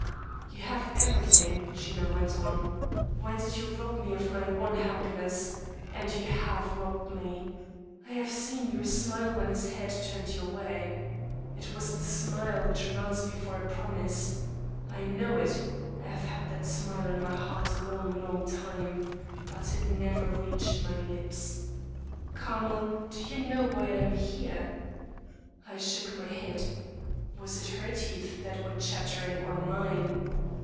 "'You have everything,' she now went on. 'Why did you rob me of my one happiness? And you have robbed me. I have seen your smile when his head turned your way. It was the smile which runs before a promise. I know it; I have had that smile in my heart a long, long time but it never reached my lips. Carmel, do you know why I am here?' I shook my head. Was it her teeth that were chattering or mine?